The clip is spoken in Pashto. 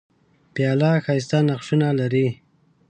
پیاله ښايسته نقشونه لري.